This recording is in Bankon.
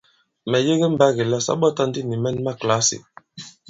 Mɛ̀ yege mbagì la sa ɓɔ̀ta ndi nì mɛn ma kìlasì.